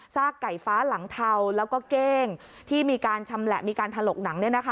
ไก่ฟ้าหลังเทาแล้วก็เก้งที่มีการชำแหละมีการถลกหนัง